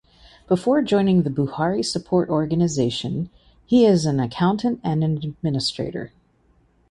Before joining the Buhari Support Organisation He is an accountant and an administrator.